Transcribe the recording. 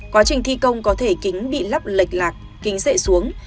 quá trình thi công có thể kính bị lắp lệch lạc kính dậy xuống